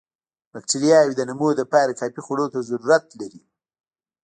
باکټریاوې د نمو لپاره کافي خوړو ته ضرورت لري.